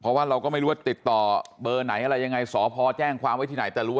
เพราะว่าเราก็ไม่รู้ว่าติดต่อเบอร์ไหนอะไรยังไงสพแจ้งความไว้ที่ไหนแต่รู้